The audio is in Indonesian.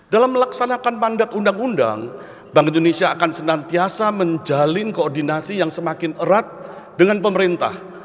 dalam melaksanakan mandat undang undang bank indonesia akan senantiasa menjalin koordinasi yang semakin erat dengan pemerintah